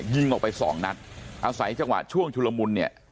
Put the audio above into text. ยิงออกไปสองนัดอาศัยจังหวะช่วงชุลมุนเนี่ย